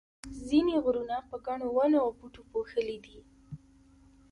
ځینې غرونه په ګڼو ونو او بوټو پوښلي دي.